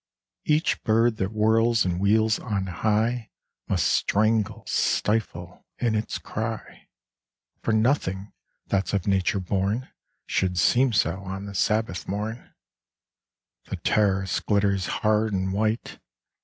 Each bird that whirls and wheels on high Must strangle, stifle in, its cry. For nothing that's of Nature born Should seem so on the Sabbath morn. The terrace glitters hard and white.